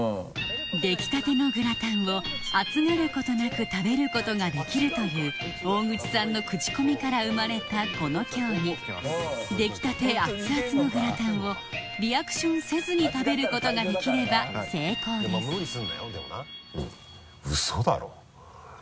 できたてのグラタンを熱がることなく食べることができるという大口さんのクチコミから生まれたこの競技できたて熱々のグラタンをリアクションせずに食べることができれば成功ですウソだろ？